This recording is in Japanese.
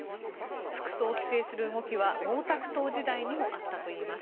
服装を規制する動きは毛沢東時代にもあったといいます。